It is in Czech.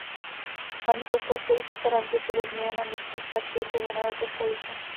Farní kostel stojí pravděpodobně na místě staršího dřevěného kostelíka.